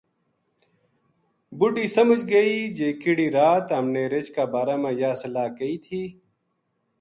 بڈھی سمجھ گئی جی کِہڑی رات ہم نے رچھ کا بارہ ما یاہ صلاح کئی تھی